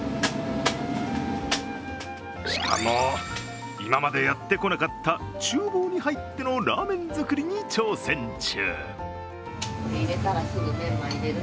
しかも、今までやってこなかったちゅう房に入ってのラーメン作りに挑戦中。